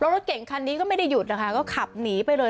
รถเก่งคันนี้ก็ไม่ได้หยุดนะคะก็ขับหนีไปเลย